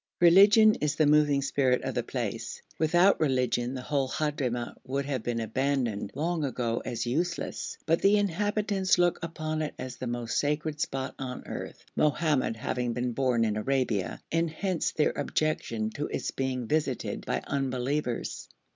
Religion is the moving spirit of the place; without religion the whole Hadhramout would have been abandoned long ago as useless, but the inhabitants look upon it as the most sacred spot on earth, Mohammed having been born in Arabia, and hence their objection to its being visited by unbelievers.